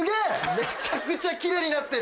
めちゃくちゃ奇麗になってる。